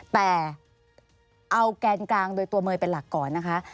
แต่เอาแกนกลางโดยตัวเมย์เป็นหลักก่อนนะคะ